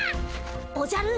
おじゃる。